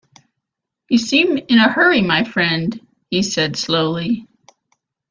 “You seem in a hurry, my friend,” he said slowly.